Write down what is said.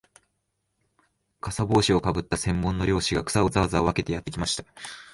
簔帽子をかぶった専門の猟師が、草をざわざわ分けてやってきました